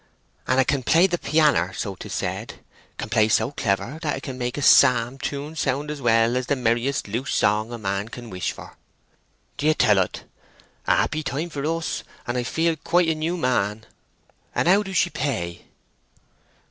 "And 'a can play the peanner, so 'tis said. Can play so clever that 'a can make a psalm tune sound as well as the merriest loose song a man can wish for." "D'ye tell o't! A happy time for us, and I feel quite a new man! And how do she pay?"